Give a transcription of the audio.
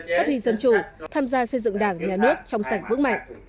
phát huy dân chủ tham gia xây dựng đảng nhà nước trong sạch vững mạnh